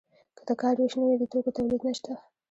که د کار ویش نه وي د توکو تولید نشته.